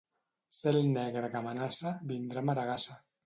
Cel negre que amenaça, vindrà maregassa.